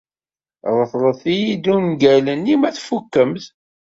Reḍlet-iyi-d ungal-nni ma tfukem-t.